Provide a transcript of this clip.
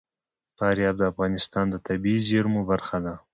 فاریاب د افغانستان د طبیعي زیرمو برخه ده.